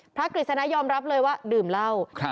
กฤษณะยอมรับเลยว่าดื่มเหล้า